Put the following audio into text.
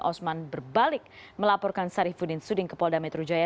osman berbalik melaporkan sarifudin suding ke polda metro jaya